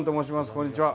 こんにちは。